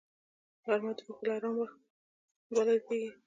غرمه د روح آرام وخت بلل کېږي